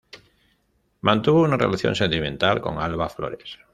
Mantuvo una relación sentimental con Alba Flores.